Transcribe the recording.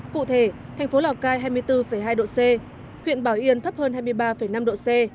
cụ thể thành phố lào cai hai mươi bốn hai độ c huyện bảo yên thấp hơn hai mươi ba năm độ c